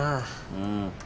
うん。